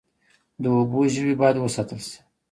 د اوبو ژوي باید وساتل شي